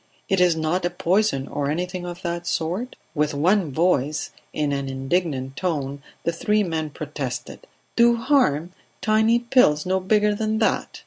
"It is not a poison, or anything of that sort?" With one voice, in an indignant tone, the three men protested: "Do harm? Tiny pills no bigger than that!"